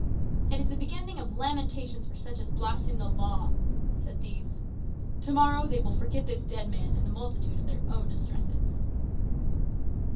"It is the beginning of lamentations for such as blaspheme the law," said these. "To morrow they will forget this dead man in the multitude of their own distresses."